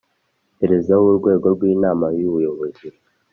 perezida w urwego rw inama y ubuyobozi